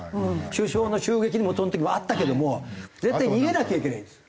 首相の襲撃にもその時もあったけども絶対逃げなきゃいけないんです。